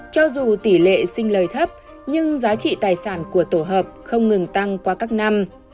cho dù tỷ lệ sinh lời thấp nhưng giá trị tài sản của tổ hợp không ngừng tăng qua các năm